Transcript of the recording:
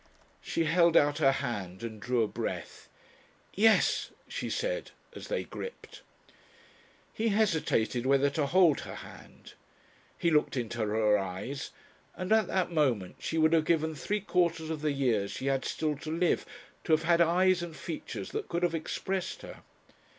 She held out her hand and drew a breath. "Yes," she said as they gripped. He hesitated whether to hold her hand. He looked into her eyes, and at that moment she would have given three quarters of the years she had still to live, to have had eyes and features that could have expressed her.